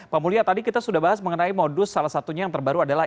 pak mulya tadi kita sudah bahas mengenai modus salah satunya yang terbaru adalah